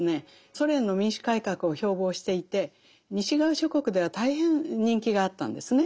ソ連の民主改革を標榜していて西側諸国では大変人気があったんですね。